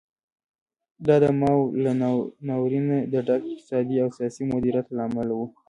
دا د ماوو له ناورینه د ډک اقتصادي او سیاسي مدیریت له امله و.